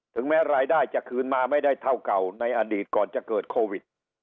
แม้รายได้จะคืนมาไม่ได้เท่าเก่าในอดีตก่อนจะเกิดโควิด